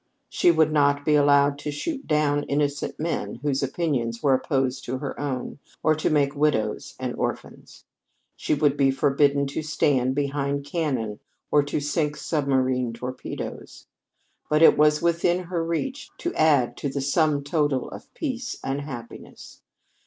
She would not be allowed to shoot down innocent men whose opinions were opposed to her own, or to make widows and orphans. She would be forbidden to stand behind cannon or to sink submarine torpedoes. But it was within her reach to add to the sum total of peace and happiness.